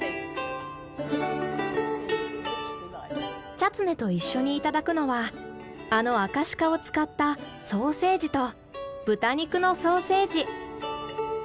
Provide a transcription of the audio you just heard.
チャツネと一緒にいただくのはあのアカシカを使ったソーセージと豚肉のソーセージ。